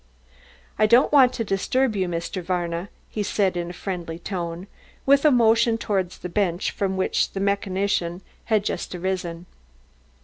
"I don't want to disturb you, Mr. Varna," he said in a friendly tone, with a motion towards the bench from which the mechanician had just arisen.